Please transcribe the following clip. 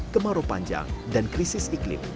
kemarau panjang dan krisis iklim